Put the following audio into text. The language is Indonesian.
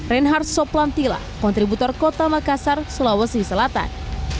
reinhard soplantila kontributor kota makassar sulawesi selatan